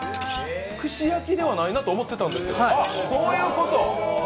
串焼きではないなと思ってたんですけど、こういうこと。